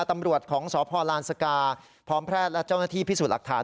ตำรวจของสพลานสกาพร้อมแพทย์และเจ้าหน้าที่พิสูจน์หลักฐาน